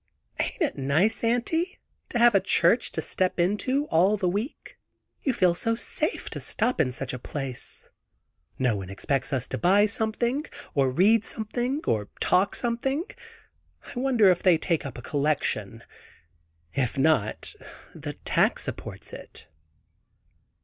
"Ain't it nice, Auntie, to have a church to step into all the week. You feel so safe to stop in such a place. No one expects us to buy something, or read something, or talk something. I wonder if they take up a collection. If not, the tax supports it."